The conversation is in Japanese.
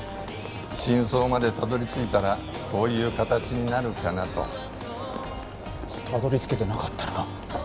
真相までたどり着いたらこういう形になるかなとたどり着けてなかったら？